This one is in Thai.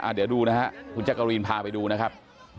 เดี๋ยวดูนะฮะคุณแจ๊กกะรีนพาไปดูนะครับ